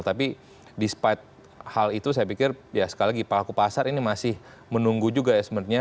tapi despite hal itu saya pikir ya sekali lagi pelaku pasar ini masih menunggu juga ya sebenarnya